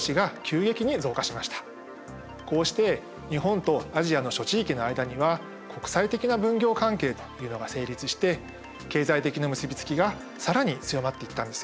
こうして日本とアジアの諸地域の間には国際的な分業関係というのが成立して経済的な結び付きが更に強まっていったんですよ。